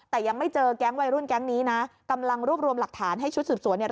แต่ยังไม่เจอแก๊งวัยรุ่นแก๊งนี้นะกำลังรวบรวมหลักฐานให้ชุดสืบสวนเนี่ย